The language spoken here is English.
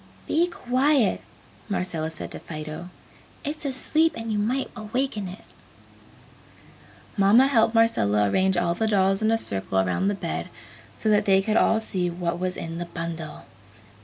"Be quiet!" Marcella said to Fido, "It's asleep and you might awaken it!" Mamma helped Marcella arrange all the dolls in a circle around the bed so that they could all see what was in the bundle.